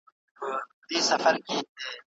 ښه استاد د شاګرد علمي مخالفت مني.